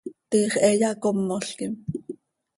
Tiix he yacómolquim.